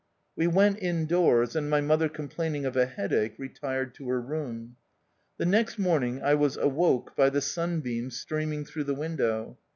We went indoors, and my mother com plaining of a headache, retired to her room. The next morning I was awoke by the sun beams streaming through the window.